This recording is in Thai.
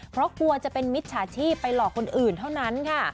เพราะกลัวจะเป็นมิจฉาชีพไปหลอกคนอื่นเท่านั้นค่ะ